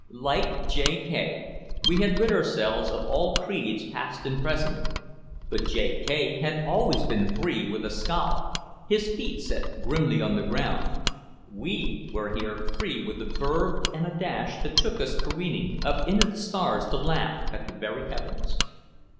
Like J. K., we had rid ourselves of all creeds past and present but J. K. had always been free with a scowl, his feet set grimly on the ground we here were free with a verve and a dash that took us careering up into the stars to laugh at the very heavens.